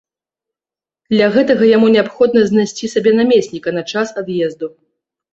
Для гэтага яму неабходна знайсці сабе намесніка на час ад'езду.